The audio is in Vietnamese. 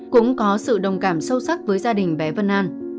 cũng có sự đồng cảm sâu sắc với gia đình bé vân an